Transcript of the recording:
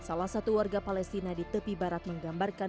salah satu warga palestina di tepi barat menggambarkan